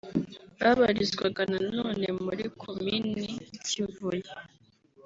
Babarizwaga na none muri Komini Kivuye